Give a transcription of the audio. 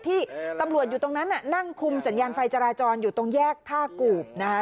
ที่ตำรวจอยู่ตรงนั้นน่ะนั่งคุมสัญญาณไฟจราจรอยู่ตรงแยกท่ากูบนะคะ